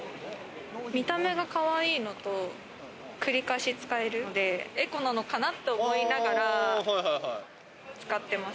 見た目がかわいいのと、繰り返し使えるんで、エコなのかなって思いながら使ってます。